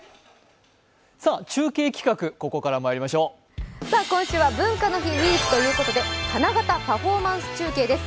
中継企画、ここからまいりましょう今週は文化の日ウィークということで、花形パフォーマンス中継です。